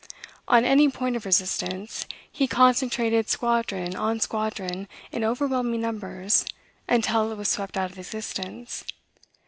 On any point of resistance, he concentrated squadron on squadron in overwhelming numbers, until it was swept out of existence.